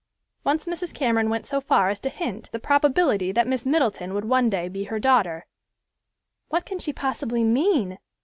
Once Mrs. Cameron went so far as to hint the probability that Miss Middleton would one day be her daughter. "What can she possibly mean?"